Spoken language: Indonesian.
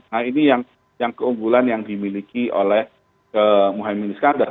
nah ini yang keunggulan yang dimiliki oleh muhammad iskandar